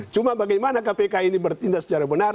cuma bagaimana kpk ini bertindak secara benar